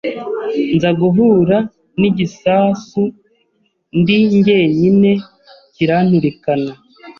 nza guhura n’igisasu ndi njyenyine kiranturikana